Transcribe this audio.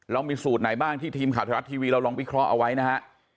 เรามีสูตรไหนบ้างที่ทีมข่าวไทยรัฐทีวีเราลองวิเคราะห์เอาไว้นะฮะ